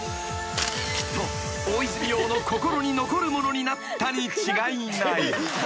［きっと大泉洋の心に残るものになったに違いない］